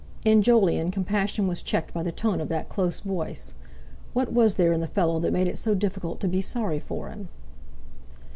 In Jolyon compassion was checked by the tone of that close voice. What was there in the fellow that made it so difficult to be sorry for him?